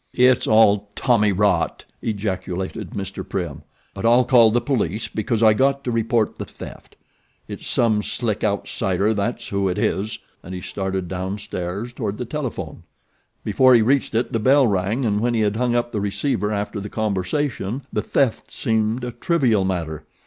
"It's all tommy rot!" ejaculated Mr. Prim; "but I'll call the police, because I got to report the theft. It's some slick outsider, that's who it is," and he started down stairs toward the telephone. Before he reached it the bell rang, and when he had hung up the receiver after the conversation the theft seemed a trivial matter.